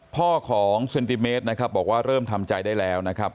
พ่อของเซนติเมตรนะครับบอกว่าเริ่มทำใจได้แล้วนะครับ